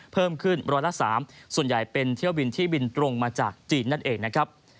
เพิ่มขึ้นร้อยละ๓ส่วนใหญ่เป็นเที่ยวบินที่บินตรงมาจากจีนนั่นเองนะครับ